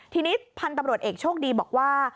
ทีนี้พันธุ์ตำรวจเอกโชคดีบอกว่า